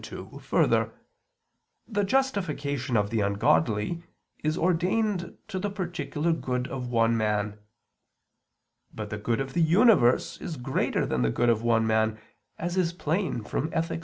2: Further, the justification of the ungodly is ordained to the particular good of one man. But the good of the universe is greater than the good of one man, as is plain from _Ethic.